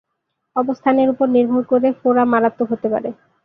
অবস্থানের উপর নির্ভর করে ফোড়া মারাত্মক হতে পারে।